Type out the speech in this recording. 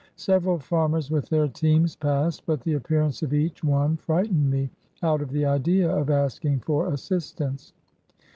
Several farmers with their teams passed, but the appearance of each one frightened me out of the idea of asking for assistance.